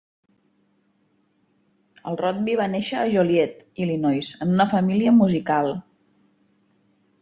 El Rodby va néixer a Joliet, Illinois, en una família musical.